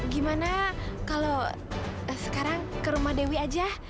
gimana kalau sekarang ke rumah dewi aja